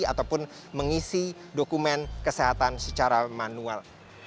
ataupun mengisi dokumen kesehatan secara manual